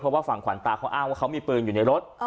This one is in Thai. เพราะว่าฝั่งขวานตาเขาอ้างว่าเขามีปืนอยู่ในรถ